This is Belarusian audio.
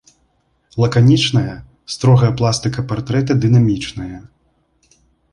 Лаканічная, строгая пластыка партрэта дынамічная.